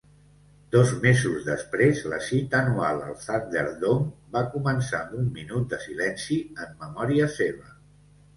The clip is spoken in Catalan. Dos mesos després, la cita anual al Thunderdom va començar amb un minut de silenci en memòria seva.